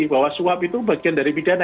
bahwa suap itu bagian dari pidana